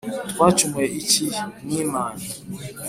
twacumuye iki mwimanyi